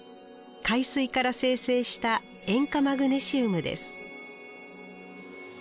海水から精製した塩化マグネシウムです